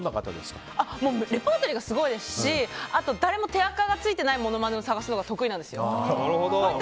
レパートリーがすごいですし誰も手あかのついていないものまねを探すのがすごいんですよ。